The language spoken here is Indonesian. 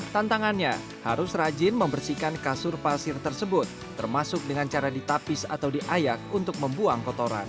tantangannya harus rajin membersihkan kasur pasir tersebut termasuk dengan cara ditapis atau diayak untuk membuang kotoran